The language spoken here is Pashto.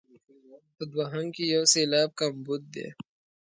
په دوهم کې یو سېلاب کمبود دی.